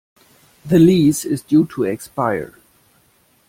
The lease is due to expire.